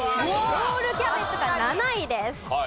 ロールキャベツが７位です。